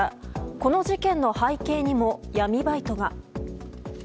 この事件の背景にも闇バイトが。